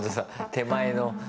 手前の。